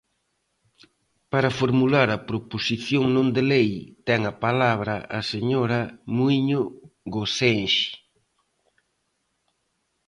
Para formular a proposición non de lei ten a palabra a señora Muíño Gosenxe.